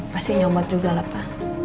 pasti nyumut juga lah pa